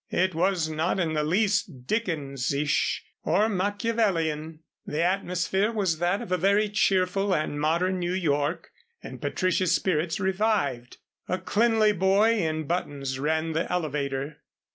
It was not in the least Dickens ish, or Machiavellian. The atmosphere was that of a very cheerful and modern New York and Patricia's spirits revived. A cleanly boy in buttons ran the elevator.